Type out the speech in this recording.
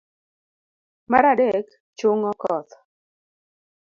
mar adek. chung'o koth